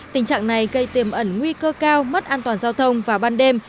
tình trạng này gây tiềm ẩn nguy cơ cao mất an toàn giao thông vào ban đêm